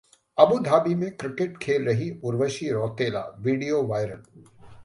Abu Dhabi में cricket खेल रहीं उर्वशी रौतेला, वीडियो वायरल